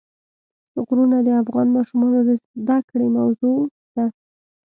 غرونه د افغان ماشومانو د زده کړې موضوع ده.